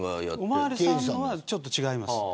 お巡りさんのはちょっと違います。